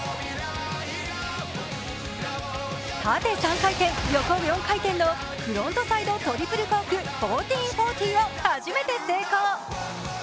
縦３回転・横４回転のフロントサイドトリプルコーク１４４０を初めて成功。